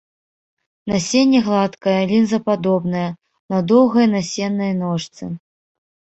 Насенне гладкае, лінзападобнае, на доўгай насеннай ножцы.